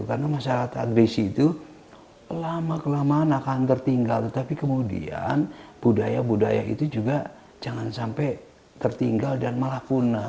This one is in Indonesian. karena masyarakat tradisi itu lama kelamaan akan tertinggal tapi kemudian budaya budaya itu juga jangan sampai tertinggal dan malah punah